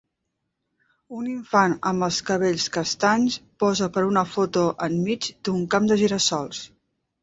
Un infant amb els cabells castanys posa per a una foto enmig d'un camp de gira-sols.